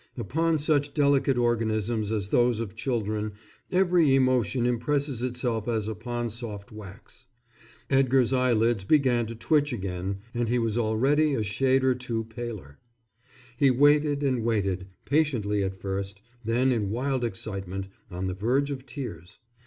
Upon such delicate organisms as those of children every emotion impresses itself as upon soft wax. Edgar's eyelids began to twitch again, and he was already a shade or two paler. He waited and waited, patiently, at first, then in wild excitement, on the verge of tears.